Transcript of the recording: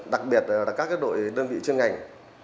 đặc biệt là các đội đơn vị chuyên ngành